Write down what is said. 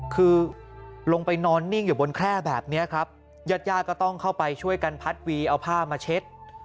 คือลงไปนอนนิ่งอยู่บนแคร่แบบนี้ครับญาติญาติก็ต้องเข้าไปช่วยกันพัดวีเอาผ้ามาเช็ด